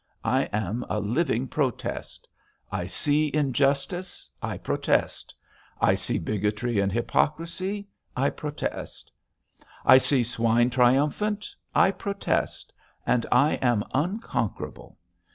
I am a living protest. I see injustice I protest; I see bigotry and hypocrisy I protest; I see swine triumphant I protest, and I am unconquerable.